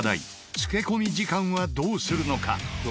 漬け込み時間はどうするのか？